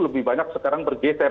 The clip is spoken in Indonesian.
lebih banyak sekarang bergeser